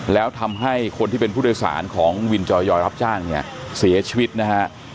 แล้วทำให้คนที่เป็นผู้โดยสารของวินจอยอยรับจ้างเนี่ยเสียชีวิตนะฮะ